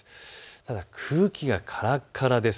ただ、空気がからからです。